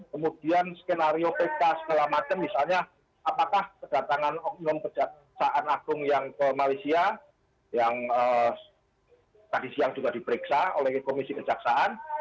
kemudian skenario pk segala macam misalnya apakah kedatangan oknum kejaksaan agung yang ke malaysia yang tadi siang juga diperiksa oleh komisi kejaksaan